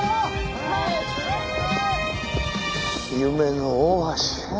夢の大橋ね。